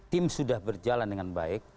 tim sudah berjalan dengan baik